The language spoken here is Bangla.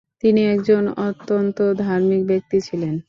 তিনি একজন অত্যন্ত ধার্মিক ব্যক্তি ছিলেন।